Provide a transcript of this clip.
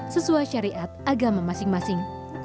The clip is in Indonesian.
sesuai syariat agama masing masing